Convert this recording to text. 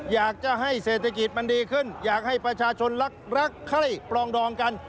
อยากจะให้เศรษฐกิจมันดีขึ้นอยากให้ประชาชนรักรักไข้ปลองดองกัน